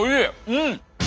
うん！